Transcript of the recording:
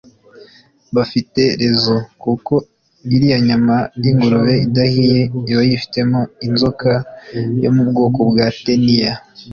bafite raison kuko iriya nyama y’ingurube idahiye iba yifitemo inzoka yo mu bwoko bwa tenia